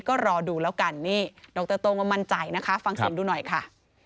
ก็รอดูแล้วกันนี่ดรโต้งก็มั่นใจนะคะฟังเสียงดูหน่อยค่ะ